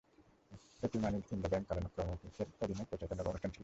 এটি money in the bank কালানুক্রমিকের অধীনে প্রচারিত নবম অনুষ্ঠান ছিল।